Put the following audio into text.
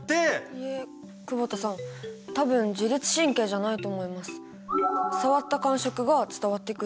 いえ久保田さん多分自律神経じゃないと思います。